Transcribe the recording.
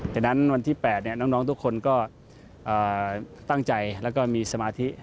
ฉะนั้นวันที่๘น้องทุกคนก็ตั้งใจแล้วก็มีสมาธิ